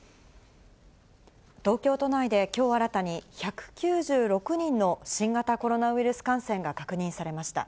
東京都内で、きょう新たに１９６人の新型コロナウイルス感染が確認されました。